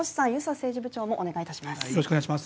政治部長もお願いいたします